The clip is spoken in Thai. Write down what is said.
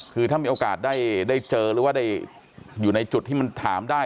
คือถ้ามีโอกาสได้เจอหรือว่าได้อยู่ในจุดที่มันถามได้